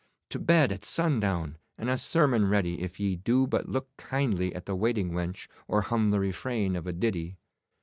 To bed at sundown, and a sermon ready if ye do but look kindly at the waiting wench or hum the refrain of a ditty.